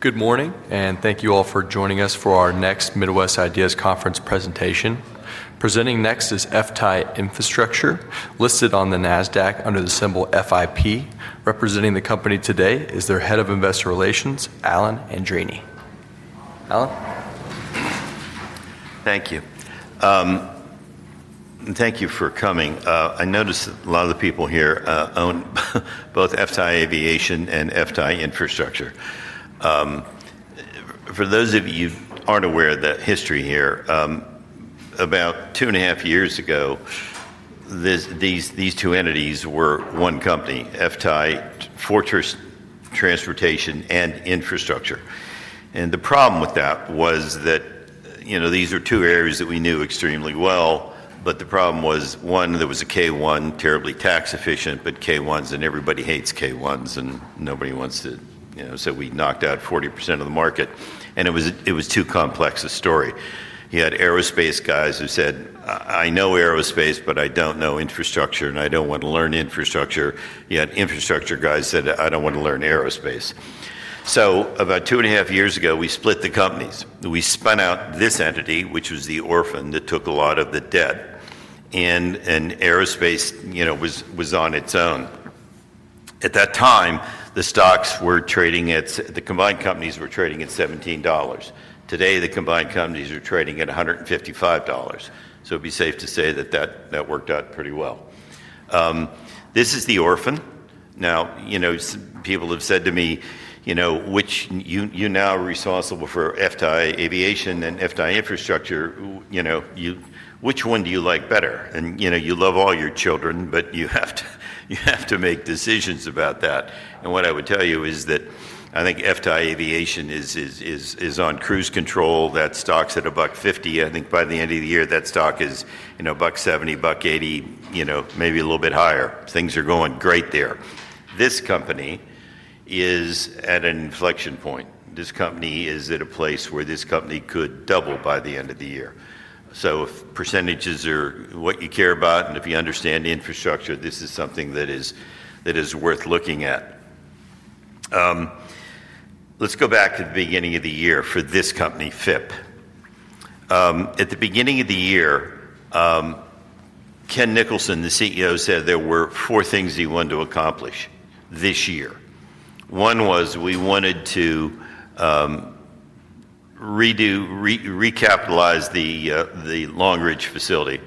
Good morning, and thank you all for joining us for our next Midwest Ideas Conference Presentation. Presenting next is FTAI Infrastructure, listed on the NASDAQ under the symbol FIP. Representing the company today is their Head of Investor Relations, Alan Andreini. Alan? Thank you. Thank you for coming. I noticed that a lot of the people here own both FTAI Aviation and FTAI Infrastructure. For those of you who aren't aware of the history here, about 2.5 years ago, these two entities were one company: FTAI, Fortress Transportation and Infrastructure. The problem with that was that these are two areas that we knew extremely well. The problem was, one, there was a K-1, terribly tax-efficient, but K-1s, and everybody hates K-1s, and nobody wants to, you know, so we knocked out 40% of the market. It was too complex a story. You had aerospace guys who said, "I know aerospace, but I don't know infrastructure, and I don't want to learn infrastructure." You had infrastructure guys who said, "I don't want to learn aerospace." About 2.5 years ago, we split the companies. We spun out this entity, which was the orphan that took a lot of the debt, and aerospace was on its own. At that time, the stocks were trading at, the combined companies were trading at $17. Today, the combined companies are trading at $155. It'd be safe to say that that worked out pretty well. This is the orphan. People have said to me, you know, you're now responsible for FTAI Aviation and FTAI Infrastructure, you know, which one do you like better? You love all your children, but you have to make decisions about that. What I would tell you is that I think FTAI Aviation is on cruise control. That stock's at $1.50. I think by the end of the year, that stock is $1.70, $1.80, maybe a little bit higher. Things are going great there. This company is at an inflection point. This company is at a place where this company could double by the end of the year. If percentages are what you care about, and if you understand infrastructure, this is something that is worth looking at. Let's go back to the beginning of the year for this company, FIP. At the beginning of the year, Ken Nicholson, the CEO, said there were four things he wanted to accomplish this year. One was we wanted to recapitalize the Long Ridge facility.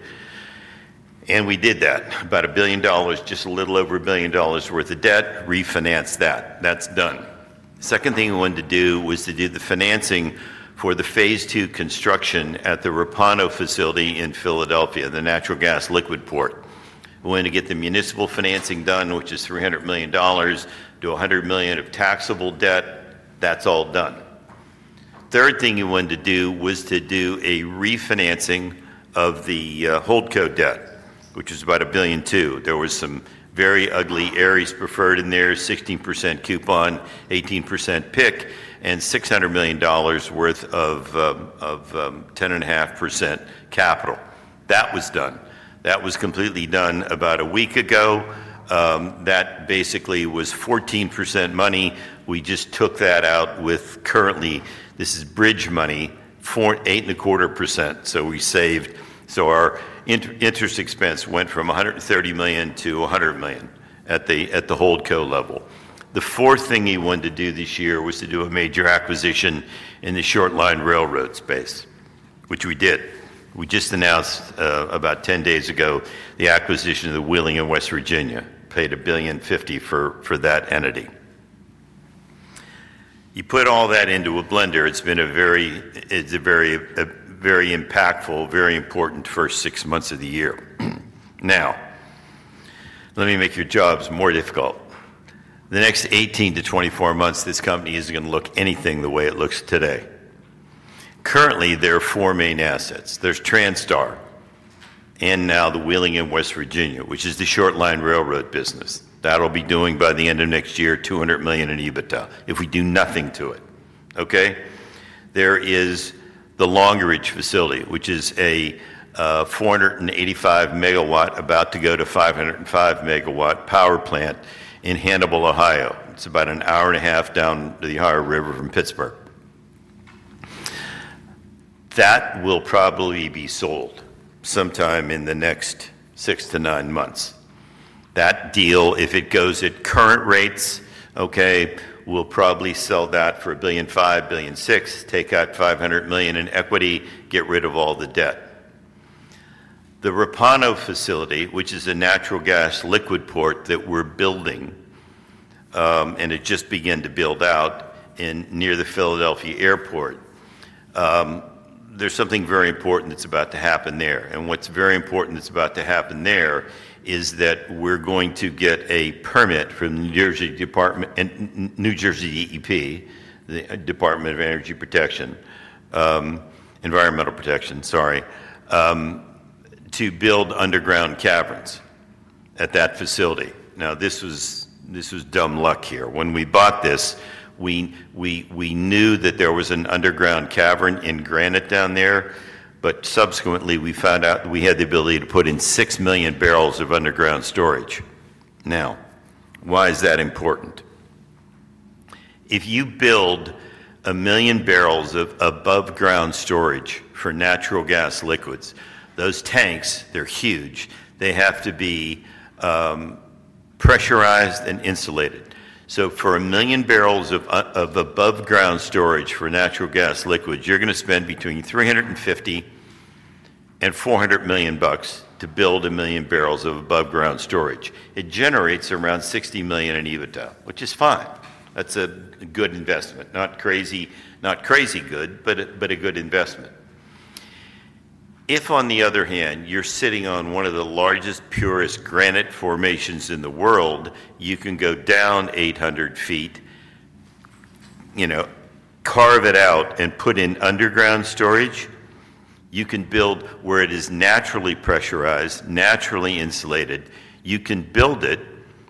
We did that. About $1 billion, just a little over $1 billion worth of debt, refinanced that. That's done. The second thing we wanted to do was to do the financing for the phase two construction at the Repauno facility in Philadelphia, the natural gas liquid port. We wanted to get the municipal financing done, which is $300 million-$100 million of taxable debt. That's all done. The third thing you wanted to do was to do a refinancing of the holdco debt, which is about $1.2 billion. There were some very ugly errors preferred in there, 16% coupon, 18% PIK, and $600 million worth of 10.5% capital. That was done. That was completely done about a week ago. That basically was 14% money. We just took that out with, currently, this is bridge money, 8.25%. We saved, so our interest expense went from $130 million-$100 million at the holdco level. The fourth thing you wanted to do this year was to do a major acquisition in the short line railroad space, which we did. We just announced about 10 days ago the acquisition of Wheeling, West Virginia. Paid $1.5 billion for that entity. You put all that into a blender. It's been a very, it's a very, very impactful, very important first six months of the year. Now, let me make your jobs more difficult. The next 18-24 months, this company isn't going to look anything the way it looks today. Currently, there are four main assets. There's Transtar, and now the Wheeling, West Virginia, which is the short line railroad business. That'll be doing by the end of next year, $200 million in EBITDA if we do nothing to it. There is the Long Ridge facility, which is a 485 MW, about to go to 505 MW power plant in Hannibal, Ohio. It's about an hour and a half down the Ohio River from Pittsburgh. That will probably be sold sometime in the next 6-9 months. That deal, if it goes at current rates, we'll probably sell that for $1.5 billion, $1.6 billion, take out $500 million in equity, get rid of all the debt. The Repauno facility, which is a natural gas liquid port that we're building, and it just began to build out near the Philadelphia airport, there's something very important that's about to happen there. What's very important that's about to happen there is that we're going to get a permit from the New Jersey Department, New Jersey DEP, the Department of Environmental Protection, to build underground caverns at that facility. This was dumb luck here. When we bought this, we knew that there was an underground cavern in granite down there, but subsequently, we found out that we had the ability to put in six million barrels of underground storage. Why is that important? If you build a million barrels of above-ground storage for natural gas liquids, those tanks, they're huge. They have to be pressurized and insulated. For a million barrels of above-ground storage for natural gas liquids, you're going to spend between $350 million-$400 million to build a million barrels of above-ground storage. It generates around $60 million in EBITDA, which is fine. That's a good investment. Not crazy, not crazy good, but a good investment. If, on the other hand, you're sitting on one of the largest, purest granite formations in the world, you can go down 800 ft, carve it out and put in underground storage. You can build where it is naturally pressurized, naturally insulated. You can build it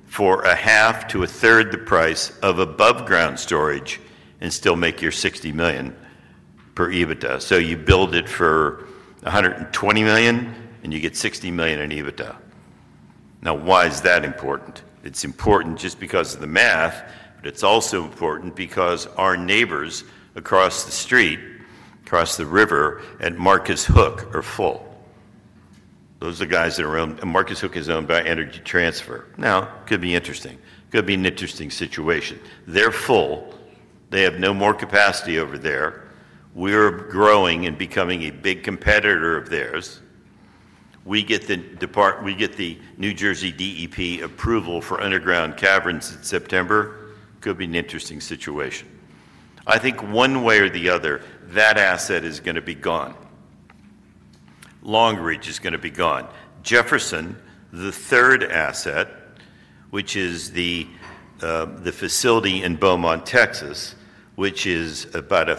for 1/6 the price of above-ground storage and still make your $60 million in EBITDA. You build it for $120 million, and you get $60 million in EBITDA. Now, why is that important? It's important just because of the math, but it's also important because our neighbors across the street, across the river, and Marcus Hook are full. Those are the guys that are owned, Marcus Hook is owned by Energy Transfer. It could be interesting. It could be an interesting situation. They're full. They have no more capacity over there. We're growing and becoming a big competitor of theirs. We get the New Jersey DEP approval for underground caverns in September. It could be an interesting situation. I think one way or the other, that asset is going to be gone. Long Ridge is going to be gone. Jefferson, the third asset, which is the facility in Beaumont, Texas, which is about a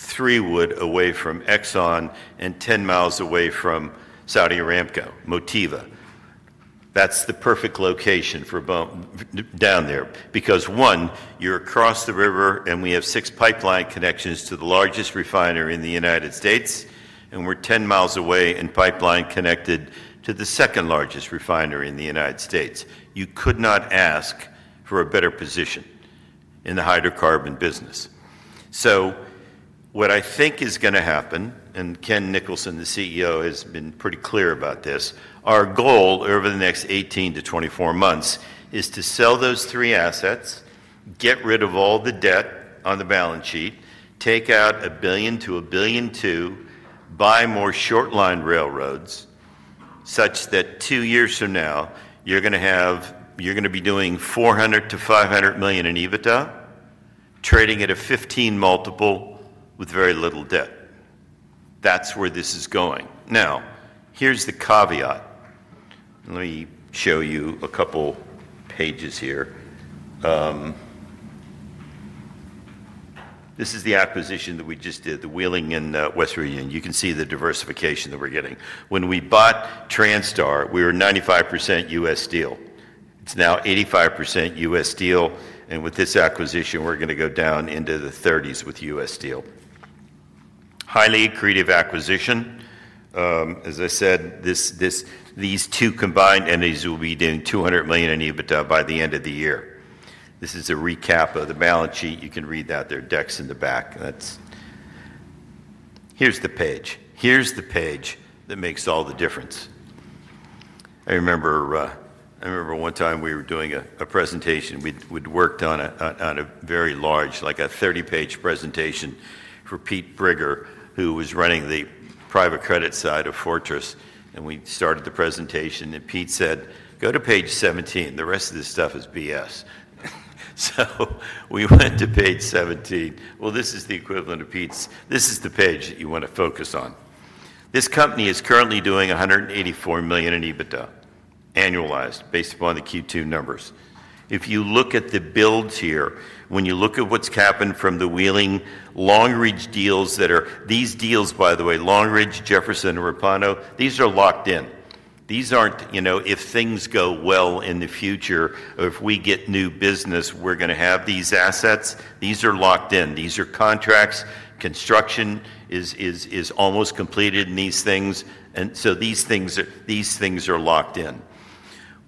three-wood away from Exxon and 10 mi away from Saudi Aramco, Motiva. That's the perfect location for down there because, one, you're across the river, and we have six pipeline connections to the largest refinery in the United States, and we're 10 mi away and pipeline connected to the second largest refinery in the United States. You could not ask for a better position in the hydrocarbon business. What I think is going to happen, and Ken Nicholson, the CEO, has been pretty clear about this, our goal over the next 18-24 months is to sell those three assets, get rid of all the debt on the balance sheet, take out $1 billion-$1.2 billion, buy more short line railroads, such that two years from now, you're going to be doing $400 million-$500 million in EBITDA, trading at a 15-multiple with very little debt. That's where this is going. Now, here's the caveat. Let me show you a couple pages here. This is the acquisition that we just did, the Wheeling in West Virginia. You can see the diversification that we're getting. When we bought Transtar, we were 95% U.S. deal. It's now 85% U.S. deal, and with this acquisition, we're going to go down into the 30s with U.S. deal. Highly creative acquisition. As I said, these two combined entities will be doing $200 million in EBITDA by the end of the year. This is a recap of the balance sheet. You can read that. There are decks in the back. Here's the page. Here's the page that makes all the difference. I remember one time we were doing a presentation. We'd worked on a very large, like a 30-page presentation for Pete Briger, who was running the private credit side of Fortress. We started the presentation, and Pete said, "Go to page 17. The rest of this stuff is BS." We went to page 17. This is the equivalent of Pete. This is the page that you want to focus on. This company is currently doing $184 million in EBITDA annualized, based upon the Q2 numbers. If you look at the builds here, when you look at what's happened from the Wheeling, Long Ridge deals that are, these deals, by the way, Long Ridge, Jefferson Energy, Repauno, these are locked in. These aren't, you know, if things go well in the future, or if we get new business, we're going to have these assets. These are locked in. These are contracts. Construction is almost completed in these things. These things are locked in.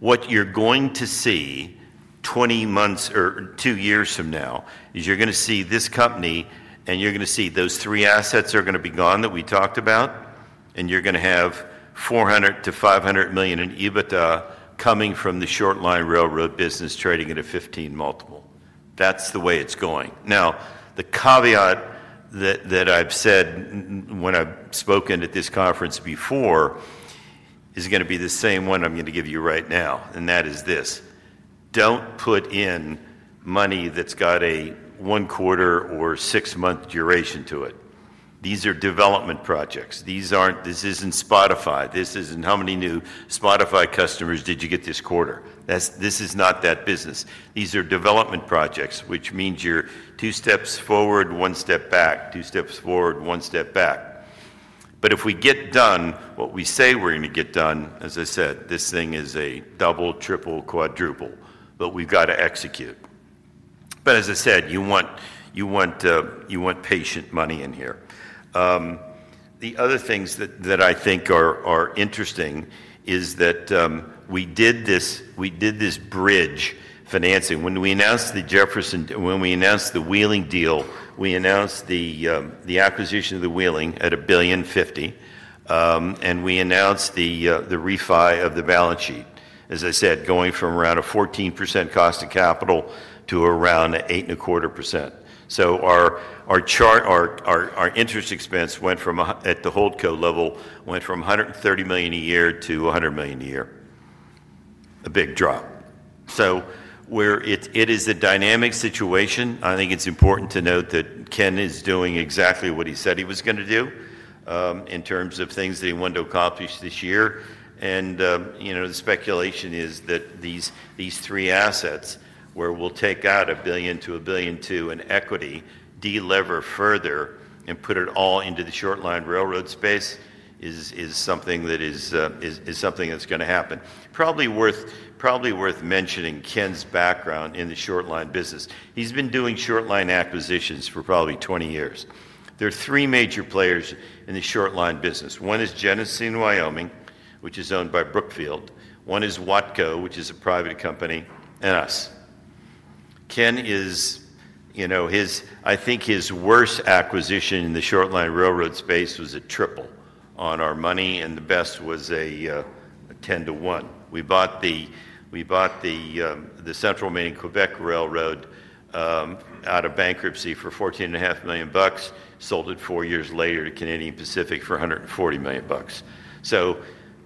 What you're going to see 20 months or two years from now is you're going to see this company, and you're going to see those three assets are going to be gone that we talked about, and you're going to have $400 million-$500 million in EBITDA coming from the short line railroad business trading at a 15-multiple. That's the way it's going. Now, the caveat that I've said when I've spoken at this conference before is going to be the same one I'm going to give you right now, and that is this: don't put in money that's got a one-quarter or six-month duration to it. These are development projects. This isn't Spotify. This isn't how many new Spotify customers did you get this quarter. This is not that business. These are development projects, which means you're two steps forward, one step back, two steps forward, one step back. If we get done what we say we're going to get done, as I said, this thing is a double, triple, quadruple, but we've got to execute. You want patient money in here. The other things that I think are interesting is that we did this bridge financing. When we announced the Jefferson, when we announced the Wheeling deal, we announced the acquisition of the Wheeling at $1.5 billion, and we announced the refi of the balance sheet. As I said, going from around a 14% cost of capital to around 8.25%. Our interest expense went from, at the holdco level, $130 million a year to $100 million a year. A big drop. It is a dynamic situation. I think it's important to note that Ken is doing exactly what he said he was going to do in terms of things that he wanted to accomplish this year. The speculation is that these three assets where we'll take out $1 billion-$1.2 billion in equity, delever further, and put it all into the short line railroad space is something that's going to happen. Probably worth mentioning Ken's background in the short line business. He's been doing short line acquisitions for probably 20 years. There are three major players in the short line business. One is Genesee & Wyoming, which is owned by Brookfield. One is Watco, which is a private company, and us. Ken is, you know, I think his worst acquisition in the short line railroad space was a triple on our money, and the best was a 10 to 1. We bought the Central Maine & Quebec Railroad out of bankruptcy for $14.5 million, sold it four years later to Canadian Pacific for $140 million.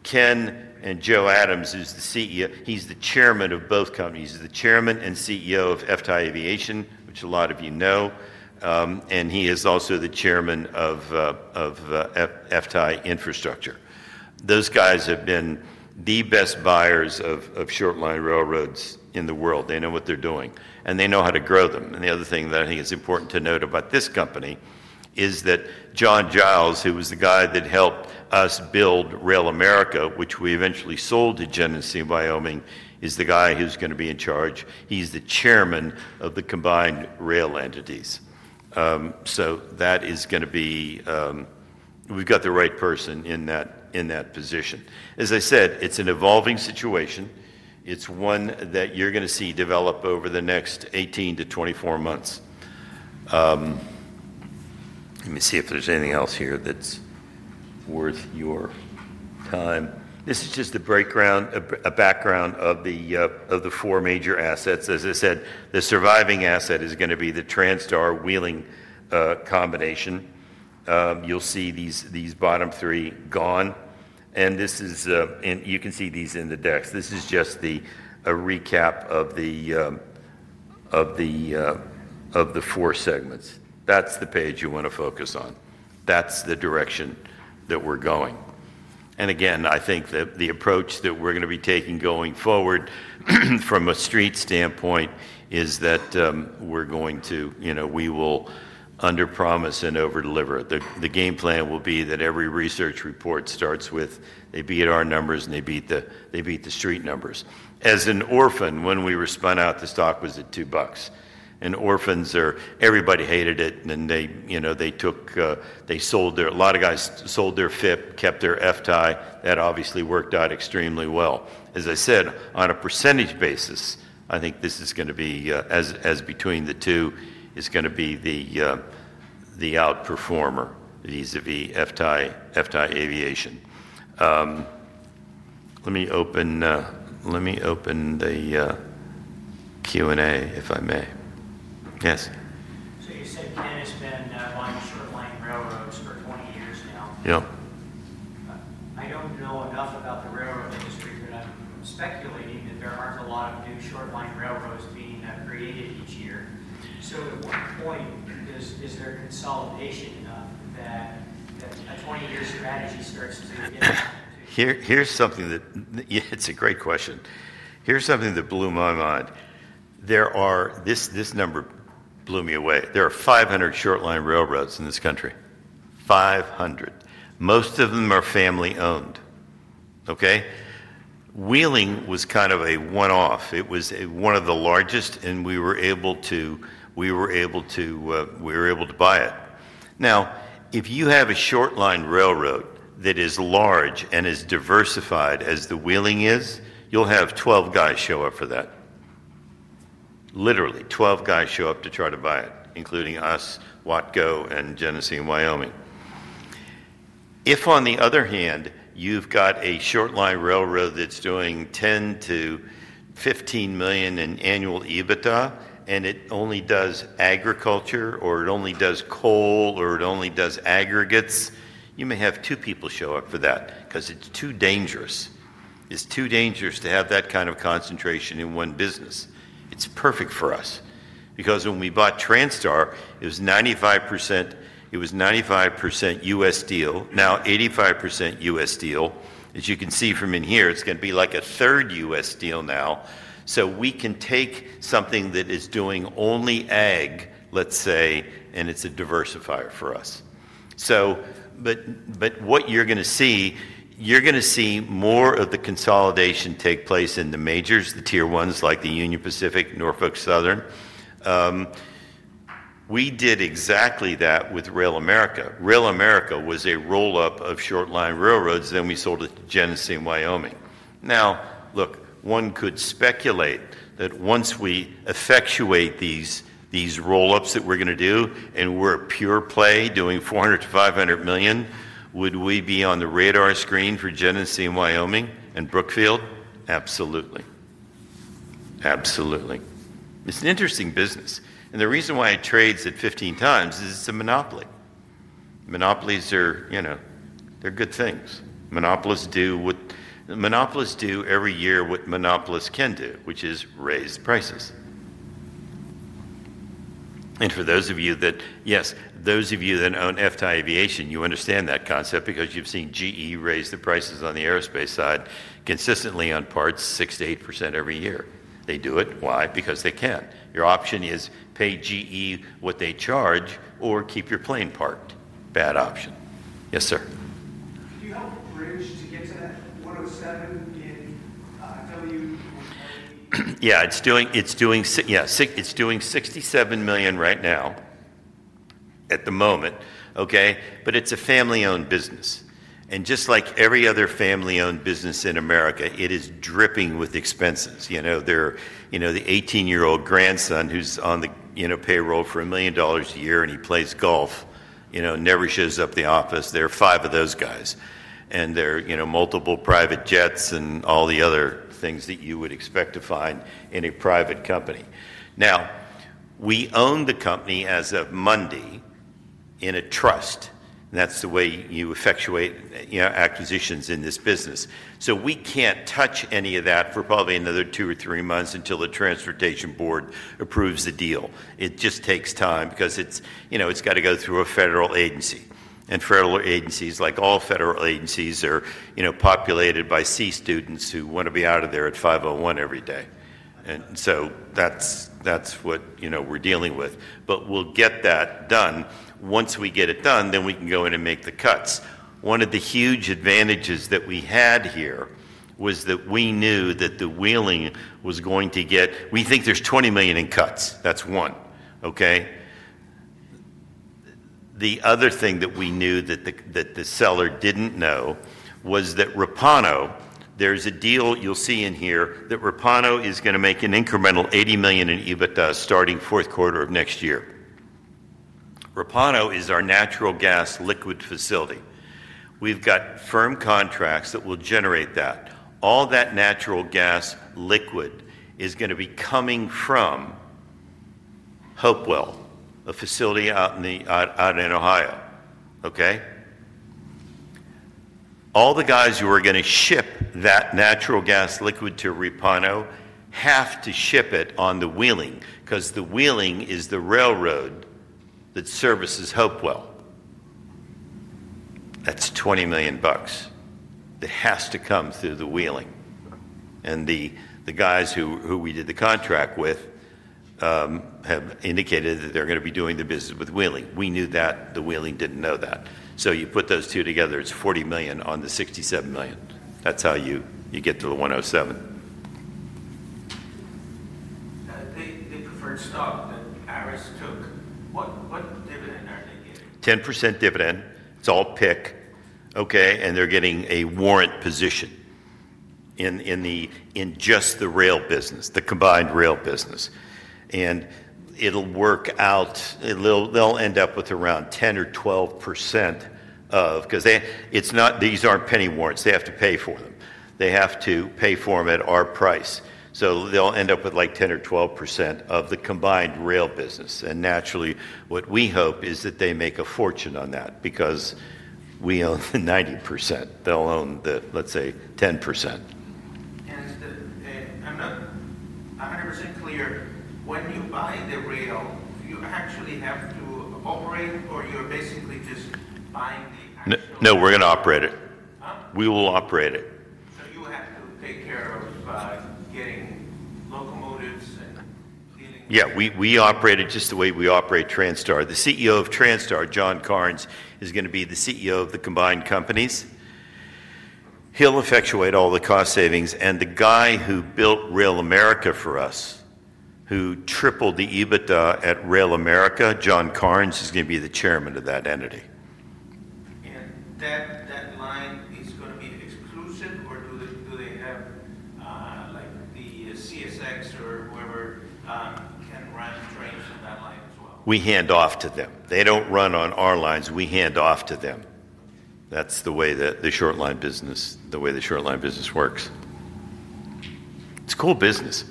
Ken and Joe Adams, who's the Chairman, he's the Chairman of both companies. He's the Chairman and CEO of FTAI Aviation, which a lot of you know, and he is also the Chairman of FTAI Infrastructure. Those guys have been the best buyers of short line railroads in the world. They know what they're doing, and they know how to grow them. The other thing that I think is important to note about this company is that John Giles, who was the guy that helped us build RailAmerica, which we eventually sold to Genesee & Wyoming, is the guy who's going to be in charge. He's the Chairman of the combined rail entities. That is going to be, we've got the right person in that position. As I said, it's an evolving situation. It's one that you're going to see develop over the next 18-24 months. Let me see if there's anything else here that's worth your time. This is just a breakdown, a background of the four major assets. As I said, the surviving asset is going to be the Transtar, Wheeling combination. You'll see these bottom three gone. You can see these in the decks. This is just a recap of the four segments. That's the page you want to focus on. That's the direction that we're going. I think that the approach that we're going to be taking going forward from a street standpoint is that we're going to, you know, we will under-promise and over-deliver. The game plan will be that every research report starts with, they beat our numbers and they beat the street numbers. As an orphan, when we were spun out, the stock was at $2. Orphans, everybody hated it, and then they, you know, they took, they sold their, a lot of guys sold their FIP, kept their FTAI. That obviously worked out extremely well. As I said, on a percentage basis, I think this is going to be, as between the two, is going to be the outperformer vis-à-vis FTAI Aviation. Let me open the Q&A, if I may. Yes? Spent now going through a plain railroad for 20 years now. Yeah. I don't know enough about the railroad industry that I'm speculating that there aren't a lot of new short line railroads being created each year. At what point does their consolidation end up that a 20-year strategy starts to get? Here's something that, yeah, it's a great question. Here's something that blew my mind. There are, this number blew me away. There are 500 short line railroads in this country. 500. Most of them are family-owned. Okay? Wheeling was kind of a one-off. It was one of the largest, and we were able to buy it. Now, if you have a short line railroad that is large and as diversified as the Wheeling is, you'll have 12 guys show up for that. Literally, 12 guys show up to try to buy it, including us, Watco, and Genesee & Wyoming. If, on the other hand, you've got a short line railroad that's doing $10 million-$15 million in annual EBITDA, and it only does agriculture, or it only does coal, or it only does aggregates, you may have two people show up for that because it's too dangerous. It's too dangerous to have that kind of concentration in one business. It's perfect for us because when we bought Transtar, it was 95% U.S. deal, now 85% U.S. deal. As you can see from in here, it's going to be like a third U.S. deal now. We can take something that is doing only ag, let's say, and it's a diversifier for us. What you're going to see, you're going to see more of the consolidation take place in the majors, the tier ones, like the Union Pacific, Norfolk Southern. We did exactly that with RailAmerica. RailAmerica was a roll-up of short line railroads, then we sold it to Genesee & Wyoming. One could speculate that once we effectuate these roll-ups that we're going to do, and we're a pure play doing $400 million-$500 million, would we be on the radar screen for Genesee & Wyoming and Brookfield? Absolutely. Absolutely. It's an interesting business. The reason why it trades at 15x is it's a monopoly. Monopolies are, you know, they're good things. Monopolists do what monopolists do every year, what monopolists can do, which is raise prices. For those of you that, yes, those of you that own FTAI Aviation, you understand that concept because you've seen GE raise the prices on the aerospace side consistently on parts, 6%-8% every year. They do it. Why? Because they can. Your option is pay GE what they charge or keep your plane parked. Bad option. Yes, sir? Do you hope [to bridge] to get that? Yeah, it's doing $67 million right now at the moment. Okay, but it's a family-owned business. And just like every other family-owned business in America, it is dripping with expenses. You know, they're, you know, the 18-year-old grandson who's on the, you know, payroll for $1 million a year, and he plays golf, you know, never shows up at the office. There are five of those guys. They're, you know, multiple private jets and all the other things that you would expect to find in a private company. Now, we own the company as of Monday in a trust. That's the way you effectuate, you know, acquisitions in this business. We can't touch any of that for probably another two or three months until the Transportation Board approves the deal. It just takes time because it's, you know, it's got to go through a federal agency. Federal agencies, like all federal agencies, are, you know, populated by C students who want to be out of there at 5:01 P.M. every day. That's what, you know, we're dealing with. We'll get that done. Once we get it done, then we can go in and make the cuts. One of the huge advantages that we had here was that we knew that the Wheeling was going to get, we think there's $20 million in cuts. That's one. Okay? The other thing that we knew that the seller didn't know was that Repauno, there's a deal you'll see in here that Repauno is going to make an incremental $80 million in EBITDA starting the fourth quarter of next year. Repauno is our natural gas liquids facility. We've got firm contracts that will generate that. All that natural gas liquid is going to be coming from Hopewell, a facility out in Ohio. All the guys who are going to ship that natural gas liquid to Repauno have to ship it on the Wheeling because the Wheeling is the railroad that services Hopewell. That's $20 million that has to come through the Wheeling. The guys who we did the contract with have indicated that they're going to be doing the business with Wheeling. We knew that. The Wheeling didn't know that. You put those two together, it's $40 million on the $67 million. That's how you get to the $107. The preferred stock that Iris took, what? 10% dividend. It's all pick, okay? They're getting a warrant position in just the rail business, the combined rail business. It'll work out, they'll end up with around 10% or 12% of, because these aren't penny warrants. They have to pay for them. They have to pay for them at our price. They'll end up with like 10% or 12% of the combined rail business. Naturally, what we hope is that they make a fortune on that because we own 90%. They'll own the, let's say, 10%. I'm not 100% clear. When you buy the rail, do you actually have to operate or you're basically just buying it? No, we're going to operate it. We will operate it. You have to take care of getting locomotives? Yeah, we operate it just the way we operate Transtar. The CEO of Transtar, Ken Nicholson, is going to be the CEO of the combined companies. He'll effectuate all the cost savings. The guy who built RailAmerica for us, who tripled the EBITDA at RailAmerica, Joe Adams, is going to be the Chairman of that entity. Is that line going to be exclusive, or do they have like the CSI? We hand off to them. They don't run on our lines. We hand off to them. That's the way the short line business works. It's a cool business.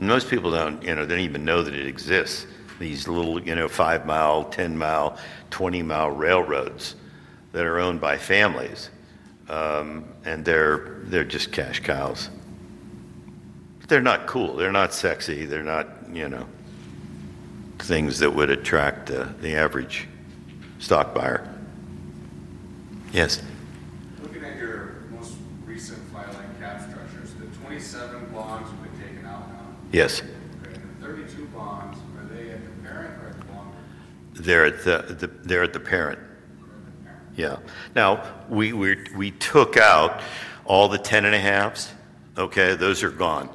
Most people don't even know that it exists, these little, you know, 5 mi, 10 mi, 20 mi railroads that are owned by families. They're just cash cows. They're not cool. They're not sexy. They're not things that would attract the average stock buyer. Yes? Looking at your most recent flat line gas structure, it's the 27 bonds with a day out. Yes. 32 bonds. They're at the parent. Now, we took out all the 10.5s. Those are gone.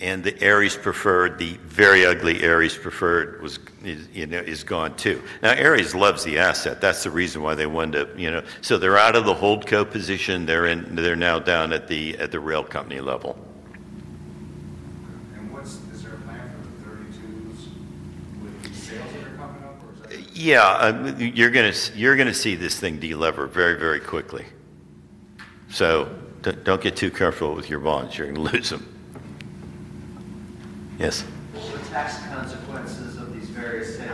The Erie preferred, the very ugly Erie preferred, is gone too. Erie loves the asset. That's the reason why they wanted to, you know, so they're out of the holdco position. They're now down at the rail company level. You're going to see this thing deliver very, very quickly. Don't get too careful with your bonds. You're going to lose them. Yes? What are the tax consequences of these various sales?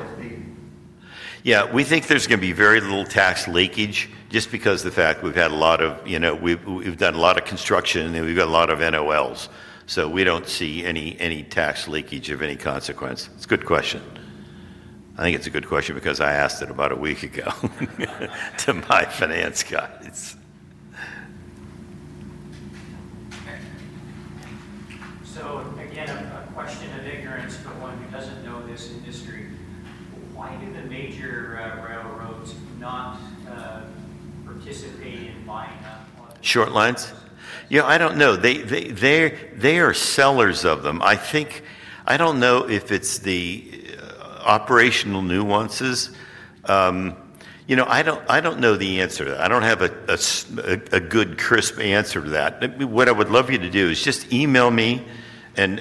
Yeah, we think there's going to be very little tax leakage just because of the fact we've had a lot of, you know, we've done a lot of construction and we've got a lot of NOLs. We don't see any tax leakage of any consequence. It's a good question. I think it's a good question because I asked it about a week ago to my finance guys. A question of ignorance to the one who doesn't know this industry. Why do the major railroads not... Short lines? I don't know. They are sellers of them. I think, I don't know if it's the operational nuances. I don't know the answer to that. I don't have a good, crisp answer to that. What I would love you to do is just email me and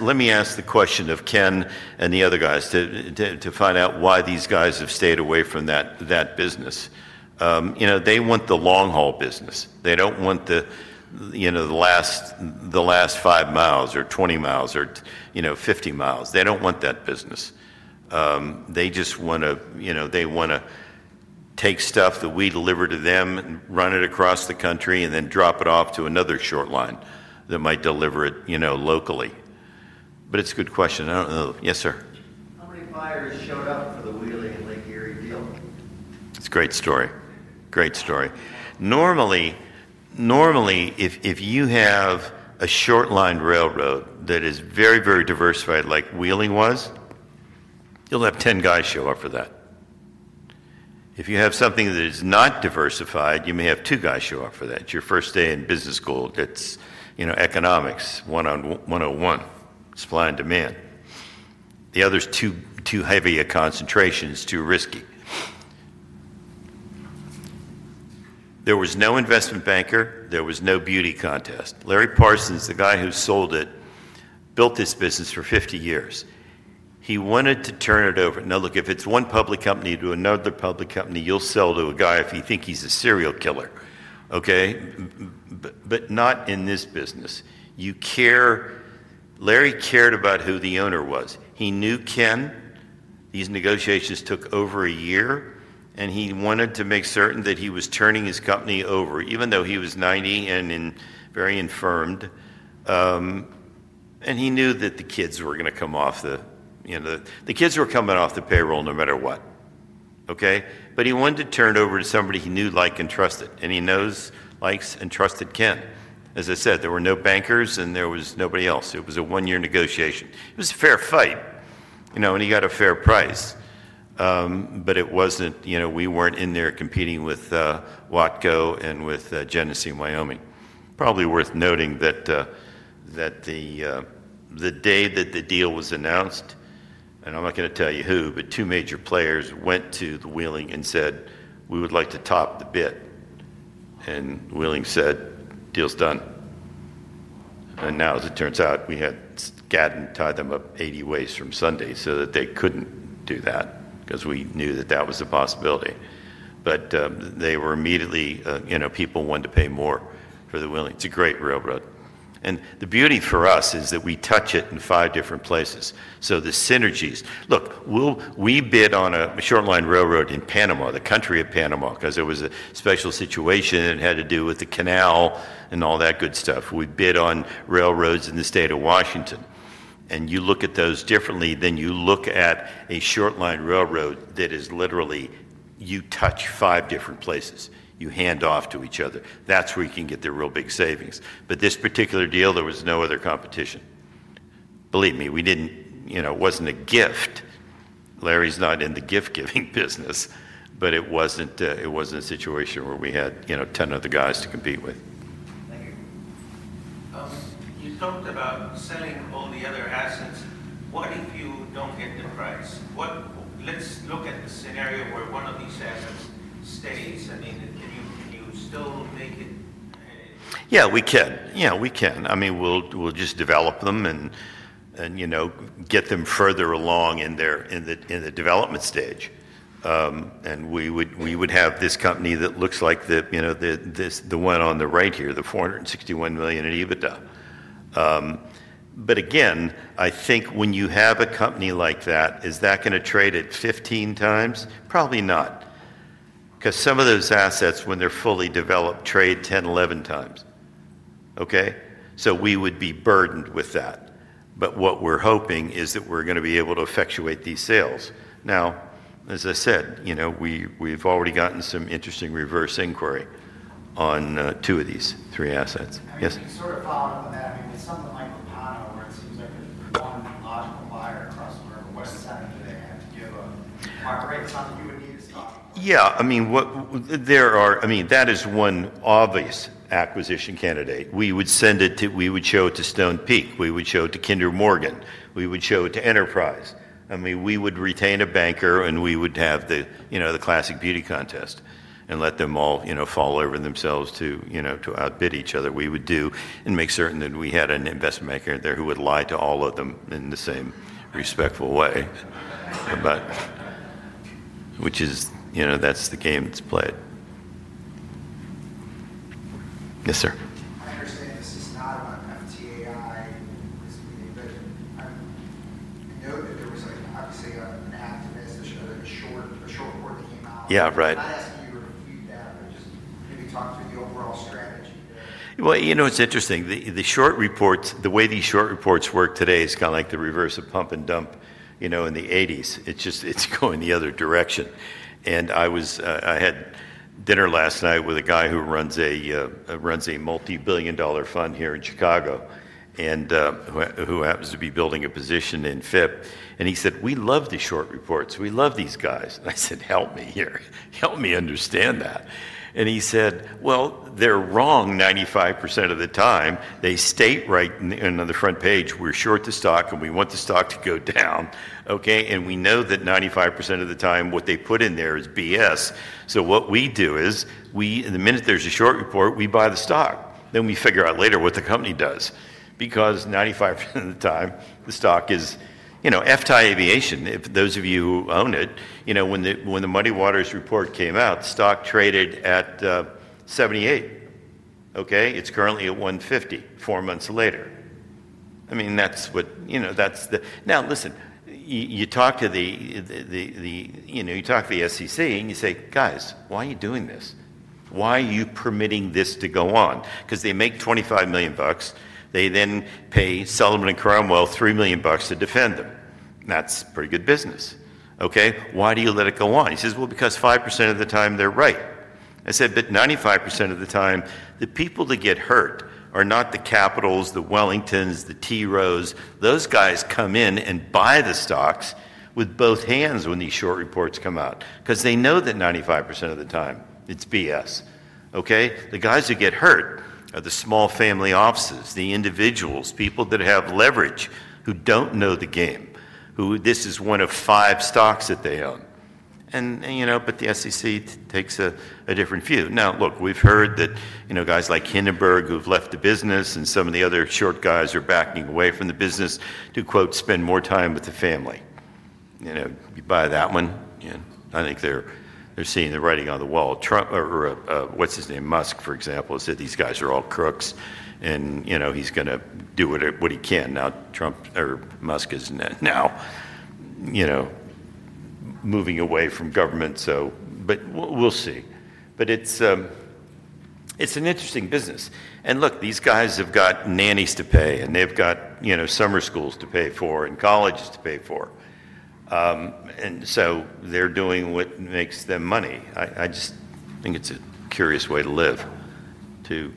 let me ask the question of Ken and the other guys to find out why these guys have stayed away from that business. They want the long-haul business. They don't want the last five miles or 20 mi or 50 mi. They don't want that business. They just want to take stuff that we deliver to them and run it across the country and then drop it off to another short line that might deliver it locally. It's a good question. I don't know. Yes, sir? How many buyers showed up for the Wheeling? It's a great story. Great story. Normally, if you have a short line railroad that is very, very diversified, like Wheeling was, you'll have 10 guys show up for that. If you have something that is not diversified, you may have two guys show up for that. It's your first day in business school. It's, you know, economics 101, supply and demand. The other's too heavy a concentration, it's too risky. There was no investment banker. There was no beauty contest. Larry Parsons, the guy who sold it, built this business for 50 years. He wanted to turn it over. Now, look, if it's one public company to another public company, you'll sell to a guy if you think he's a serial killer. Okay? Not in this business. You care. Larry cared about who the owner was. He knew Ken. These negotiations took over a year, and he wanted to make certain that he was turning his company over, even though he was 90 and very infirmed. He knew that the kids were going to come off the, you know, the kids were coming off the payroll no matter what. Okay? He wanted to turn over to somebody he knew, liked, and trusted. He knows, likes, and trusted Ken. As I said, there were no bankers and there was nobody else. It was a one-year negotiation. It was a fair fight, you know, and he got a fair price. It wasn't, you know, we weren't in there competing with Watco and with Genesee & Wyoming. Probably worth noting that the day that the deal was announced, and I'm not going to tell you who, but two major players went to Wheeling and said, "We would like to top the bid." Wheeling said, "Deal's done." As it turns out, we had gotten tied them up 80 ways from Sunday so that they couldn't do that because we knew that that was a possibility. They were immediately, you know, people wanted to pay more for the Wheeling. It's a great railroad. The beauty for us is that we touch it in five different places. The synergies, look, we bid on a short line railroad in Panama, the country of Panama, because it was a special situation and had to do with the canal and all that good stuff. We bid on railroads in the state of Washington. You look at those differently than you look at a short line railroad that is literally, you touch five different places. You hand off to each other. That's where you can get the real big savings. This particular deal, there was no other competition. Believe me, we didn't, you know, it wasn't a gift. Larry's not in the gift-giving business, but it wasn't a situation where we had, you know, 10 other guys to compete with. You talked about selling all the other assets. What if you don't get the price? Let's look at the scenario where one of these assets stays. I mean, can you still make it? Yeah, we can. I mean, we'll just develop them and, you know, get them further along in the development stage. We would have this company that looks like the, you know, the one on the right here, the $461 million in EBITDA. Again, I think when you have a company like that, is that going to trade at 15x? Probably not, because some of those assets, when they're fully developed, trade 10x, 11x. Okay? We would be burdened with that. What we're hoping is that we're going to be able to effectuate these sales. As I said, we've already gotten some interesting reverse inquiry on two of these three assets. Yes? On that, I mean, someone like Repauno where it seems like the one logical buyer across the railroad, what's the center today? Yeah, I mean, that is one obvious acquisition candidate. We would send it to, we would show it to Stonepeak. We would show it to Kinder Morgan. We would show it to Enterprise. I mean, we would retain a banker and we would have the classic beauty contest and let them all fall over themselves to outbid each other. We would make certain that we had an investment banker in there who would lie to all of them in the same respectful way. What about, which is, you know, that's the game that's played. Yes, sir? I understand this is not about FTAI Infrastructure and this being an investment. I noted there was an opposite math to this in the short. Yeah, right. I'm asking you to talk through the overall strategy. It's interesting. The short reports, the way these short reports work today is kind of like the reverse of pump and dump, you know, in the 1980s. It's just going the other direction. I had dinner last night with a guy who runs a multi-billion dollar fund here in Chicago and who happens to be building a position in FIP. He said, "We love the short reports. We love these guys." I said, "Help me here. Help me understand that." He said, "They're wrong 95% of the time. They state right on the front page, 'We're short the stock and we want the stock to go down.'" Okay, and we know that 95% of the time what they put in there is BS. What we do is, the minute there's a short report, we buy the stock. Then we figure out later what the company does because 95% of the time the stock is, you know, FTAI Aviation. If those of you who own it, you know, when the Muddy Waters report came out, the stock traded at $78. It's currently at $150 four months later. I mean, that's what, you know, that's the, now listen, you talk to the SEC and you say, "Guys, why are you doing this? Why are you permitting this to go on?" Because they make $25 million. They then pay Sullivan & Cromwell $3 million to defend them. That's pretty good business. Okay, why do you let it go on? He says, "Because 5% of the time they're right." I said, "But 95% of the time, the people that get hurt are not the Capitals, the Wellingtons, the TROs. Those guys come in and buy the stocks with both hands when these short reports come out because they know that 95% of the time it's BS." The guys who get hurt are the small family offices, the individuals, people that have leverage, who don't know the game, who this is one of five stocks that they own. The SEC takes a different view. We've heard that guys like Hindenburg who've left the business and some of the other short guys are backing away from the business to quote, "spend more time with the family." You buy that one. I think they're seeing the writing on the wall. Trump or what's his name, Musk, for example, said these guys are all crooks and he's going to do what he can. Trump or Musk is now moving away from government. We'll see. It's an interesting business. These guys have got nannies to pay, and they've got summer schools to pay for and colleges to pay for. They're doing what makes them money. I just think it's a curious way to live, to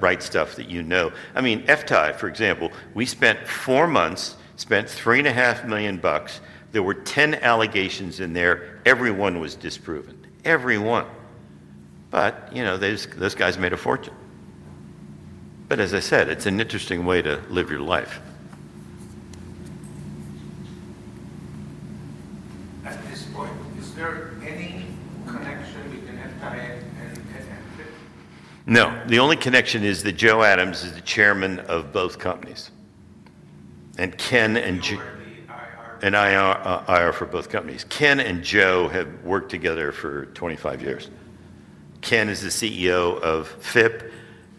write stuff that you know. I mean, FTAI Infrastructure, for example, we spent four months, spent $3.5 million. There were 10 allegations in there. Every one was disproven. Every one. Those guys made a fortune. As I said, it's an interesting way to live your life. At this point, is there any connection we can enter in? No, the only connection is that Joe Adams is the Chairman of both companies. Ken and Joe, and IR for both companies. Ken and Joe have worked together for 25 years. Ken is the CEO of FTAI Infrastructure.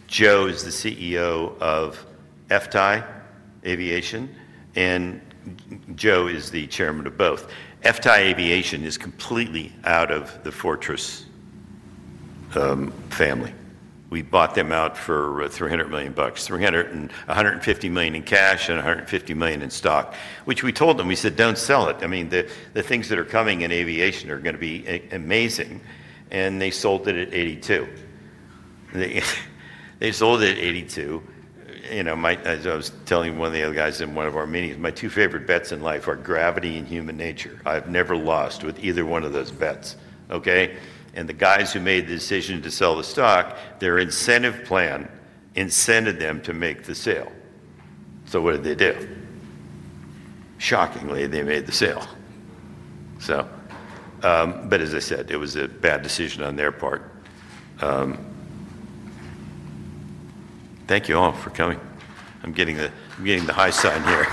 Joe is the CEO of FTAI Aviation. Joe is the Chairman of both. FTAI Aviation is completely out of the Fortress family. We bought them out for $300 million, $150 million in cash and $150 million in stock, which we told them. We said, "Don't sell it." I mean, the things that are coming in aviation are going to be amazing. They sold it at $82. They sold it at $82. As I was telling one of the other guys in one of our meetings, my two favorite bets in life are gravity and human nature. I've never lost with either one of those bets. The guys who made the decision to sell the stock, their incentive plan incented them to make the sale. What did they do? Shockingly, they made the sale. As I said, it was a bad decision on their part. Thank you all for coming. I'm getting the high sign here.